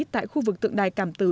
tại khu vực tượng đài cảm tử